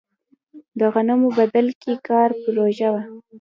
د غنمو بدل کې کار پروژه وه.